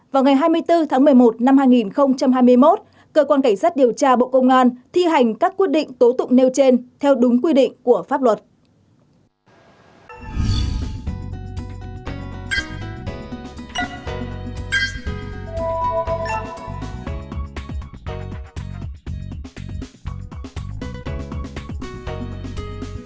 vào ngày hai mươi bốn tháng một mươi một năm hai nghìn hai mươi một cơ quan cảnh sát điều tra bộ công an thi hành các quyết định tố tụng nêu trên theo đúng quy định của pháp luật